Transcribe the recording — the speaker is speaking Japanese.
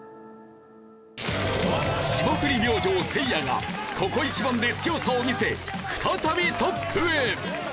霜降り明星せいやがここ一番で強さを見せ再びトップへ！